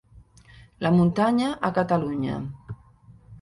La muntanya a Catalunya.